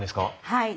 はい。